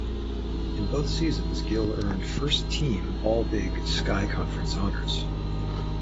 In both seasons, Gill earned First-Team All-Big Sky Conference honors.